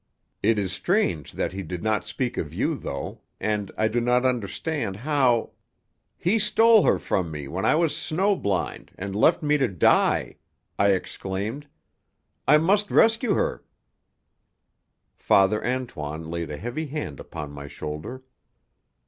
It is strange that he did not speak of you, though, and I do not understand how " "He stole her from me when I was snow blind, and left me to die!" I exclaimed. "I must rescue her " Father Antoine laid a heavy hand upon my shoulder.